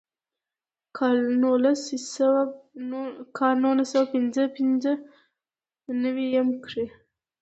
کال نولس سوه پينځۀ نوي يم کښې